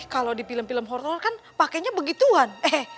kalau di film film horror kan pakainya begituan